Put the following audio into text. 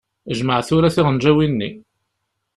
Jmeɛ tura tiɣenǧawin-nni.